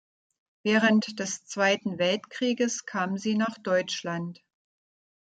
Während des Zweiten Weltkrieges kam sie nach Deutschland.